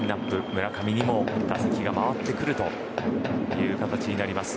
村上にも打席が回ってくるという形です。